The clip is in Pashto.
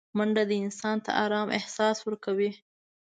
منډه انسان ته ارامه احساس ورکوي